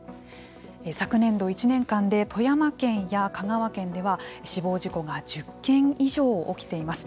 昨年度１年間で富山県や香川県では死亡事故が１０件以上起きています。